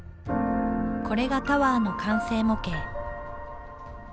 これがタワーの完成模型。